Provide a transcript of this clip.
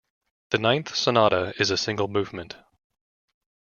The ninth sonata is a single movement.